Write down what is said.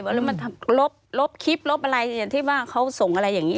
หรือลบคิปลบอะไรที่ว่าเขาส่งอะไรอย่างนี้